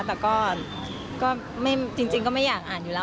แต่ก็จริงก็ไม่อยากอ่านอยู่แล้ว